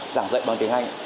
giảng dạy bằng tiếng anh